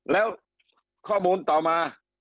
แล้วข้อมูลต่อมา